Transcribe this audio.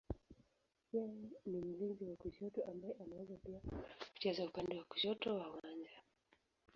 Yeye ni mlinzi wa kushoto ambaye anaweza pia kucheza upande wa kushoto wa uwanja.